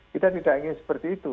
kita tidak ingin seperti itu